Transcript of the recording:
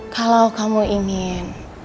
kalau kamu ingin